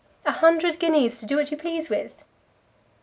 "A hundred guineas to do what you please with!"